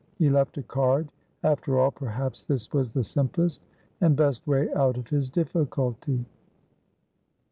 He left a card. After all, perhaps this was the simplest and best way out of his difficulty.